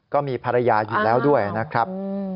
ก็มีภรรยาอยู่แล้วด้วยนะครับ